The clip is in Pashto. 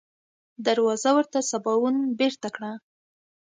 دروازه ورته سباوون بېرته کړه.